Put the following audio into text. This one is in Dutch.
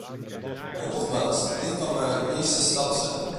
Maar nogmaals, dit kan maar een eerste stap zijn.